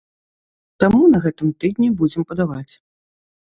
Таму на гэтым тыдні будзем падаваць.